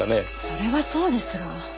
それはそうですが。